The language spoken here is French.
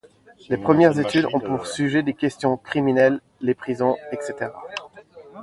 Les premières études ont pour sujet des questions criminelles, les prisons, etc.